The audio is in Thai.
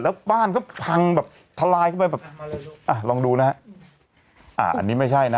แล้วบ้านก็พังแบบทลายเข้าไปแบบอ่ะลองดูนะฮะอ่าอันนี้ไม่ใช่นะ